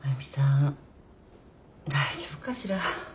大丈夫かしら？